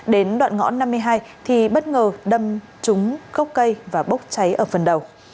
đến đoạn ngõ năm mươi hai thì bất ngờ đâm trúng cây và bốc cháy ở phần đầu